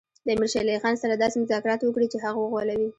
د امیر شېر علي خان سره داسې مذاکرات وکړي چې هغه وغولوي.